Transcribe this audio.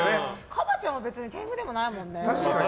ＫＡＢＡ．ちゃんは天狗でもないもんね。